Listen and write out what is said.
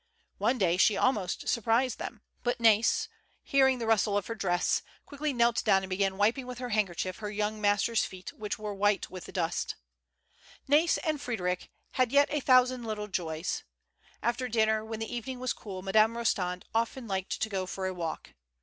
One day she almost surprised them ; but Nai's, hearing the rustle of her dress, quickly knelt down and began wiping with her handkerchief her young master's feet, which were white with dust. Nais and Fr^eric had yet a thousand little joys. After dinner when the evening was cool, Madame Ros tand often liked to go for a walk.